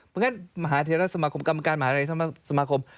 เพราะฉะนั้นมหาเทราสมาคมกรรมการมหาลัยสมาคม